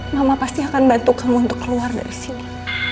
mama pasti akan bantu kamu untuk keluar dari sini